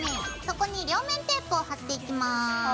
そこに両面テープを貼っていきます。